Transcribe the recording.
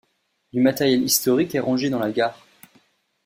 Du matériel historique est rangé dans la gare.